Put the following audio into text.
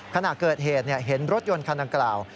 ขณะเกิดเหตุเห็นรถยนต์คันดังกล่าว